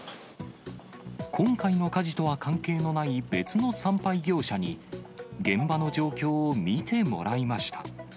今回の火事とは関係のない別の産廃業者に、現場の状況を見てもらいました。